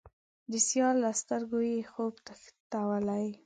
د سیال له سترګو یې، خوب تښتولی